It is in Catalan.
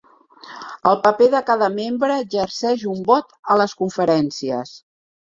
El paper de cada membre exerceix un vot a les conferències.